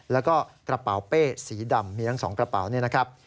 แล้วก็กระเป๋าเป้สีดำมีทั้ง๒กระเป๋าเนี่ยนะครับ